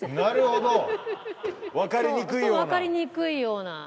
そうわかりにくいような。